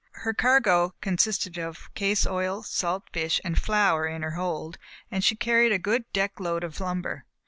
Her cargo consisted of case oil, salt fish and flour in her hold, and she carried a good deck load of lumber.